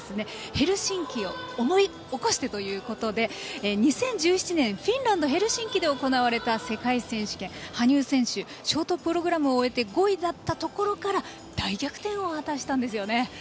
ヘルシンキを思い起こしてということで２０１７年、フィンランドのヘルシンキで行われた世界選手権で羽生選手はショートプログラムを終えて５位だったところから大逆転を果たしたんですよね。